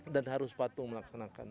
dan harus patuh melaksanakan